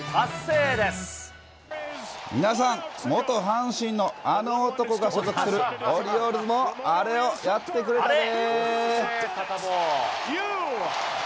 皆さん、元阪神のあの男が所属するオリオールズもアレをやってくれたで。